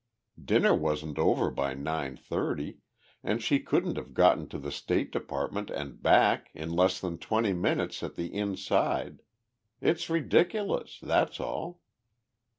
Dinner wasn't over by nine thirty, and she couldn't have gotten to the State Department and back in less than twenty minutes at the inside. It's ridiculous, that's all!"